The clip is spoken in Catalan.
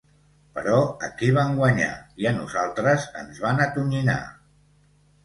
Però aquí van guanyar i a nosaltres ens van atonyinar.